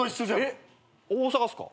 えっ大阪っすか？